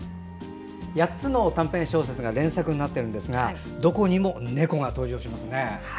８つの短編小説が連作になっているんですがどこにも猫が登場しますね。